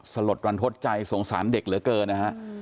สะหรับรันทดใจสงสารเด็กเหลือเกิน